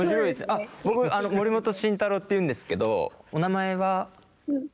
あっ僕森本慎太郎っていうんですけどお名前は？